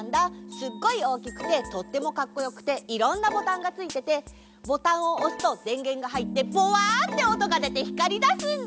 すっごいおおきくてとってもかっこよくていろんなボタンがついててボタンをおすとでんげんがはいってボワッておとがでてひかりだすんだ！